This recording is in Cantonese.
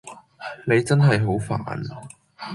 你真係好煩